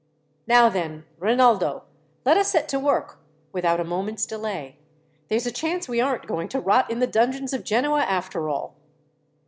"Now then, Rinaldo, let us set to work without a moment's delay. There's a chance we aren't going to rot in the dungeons of Genoa, after all."